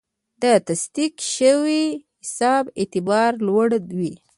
د تصدیق شوي حساب اعتبار لوړ وي.